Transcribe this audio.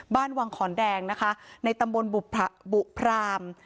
บ้านวังขอนแดงนะคะในตำบลบุพราม